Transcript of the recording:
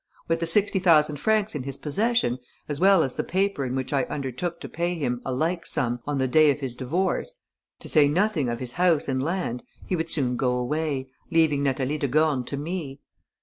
With the sixty thousand francs in his possession, as well as the paper in which I undertook to pay him a like sum on the day of his divorce, to say nothing of his house and land, he would go away, leaving Natalie de Gorne to me.